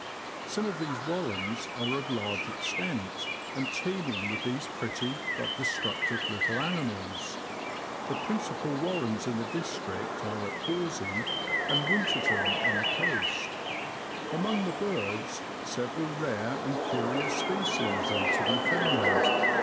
Some of these warrens are of large extent, and teeming with these pretty but destructive little animals. The principal warrens in the district are at Horsey and Winterton on the coast. Among the birds, several rare and curious species are to be found.